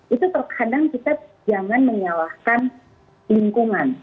itu terkadang kita jangan menyalahkan lingkungan